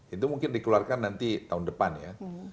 itu mungkin dikeluarkan nanti tahun depan ya